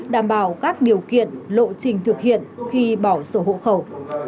đảm bảo các điều kiện lộ trình thực hiện khi bỏ sổ hộ khẩu